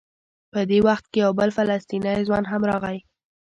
په دې وخت کې یو بل فلسطینی ځوان هم راغی.